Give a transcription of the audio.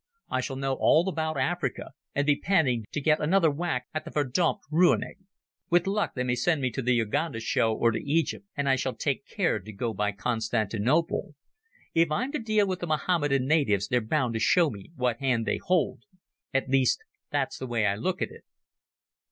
I shall know all about Africa, and be panting to get another whack at the verdommt rooinek. With luck they may send me to the Uganda show or to Egypt, and I shall take care to go by Constantinople. If I'm to deal with the Mohammedan natives they're bound to show me what hand they hold. At least, that's the way I look at it."